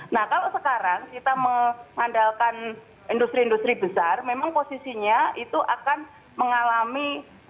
nah kalau sekarang kita mengandalkan industri industri besar memang posisinya itu akan mengalami